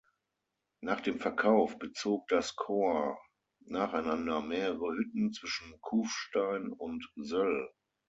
Nach dem Verkauf bezog das Corps nacheinander mehrere Hütten zwischen Kufstein und Söll.